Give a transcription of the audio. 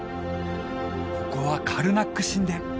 ここはカルナック神殿